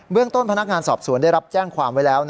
เรื่องต้นพนักงานสอบสวนได้รับแจ้งความไว้แล้ว